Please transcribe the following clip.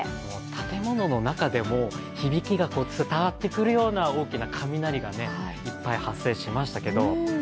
建物の中でも響きが伝わってくるような大きな雷がいっぱい発生しました。